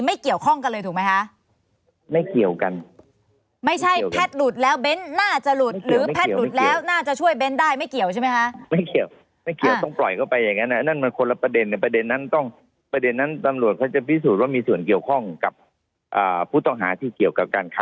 ไม่เกี่ยวแล้วอันนั้นมีวิสูจน์เรื่องเดียว